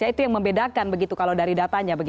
itu yang membedakan begitu kalau dari datanya